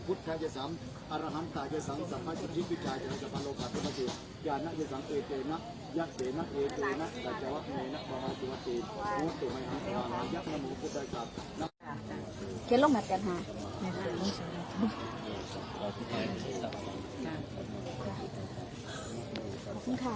ขอบคุณมาก